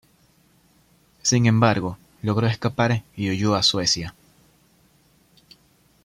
Sin embargo, logró escapar y huyó a Suecia.